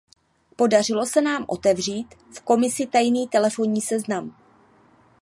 Podařilo se nám otevřít v Komisi tajný telefonní seznam.